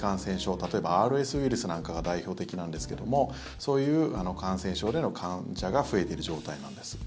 例えばＲＳウイルスなんかが代表的なんですけどもそういう感染症での患者が増えている状態なんです。